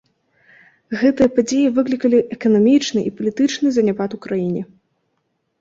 Гэтыя падзеі выклікалі эканамічны і палітычны заняпад у краіне.